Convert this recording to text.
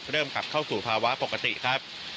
กลับเข้าสู่ภาวะปกติครับ